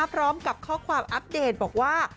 พร้อมกับข้อความอัปเดตบอกว่า